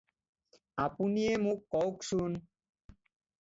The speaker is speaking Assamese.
আপুনিয়েই মোক কওঁকচোন।